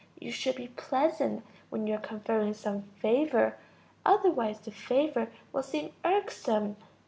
You should be pleasant when you are conferring some favor, otherwise the favor will seem irksome.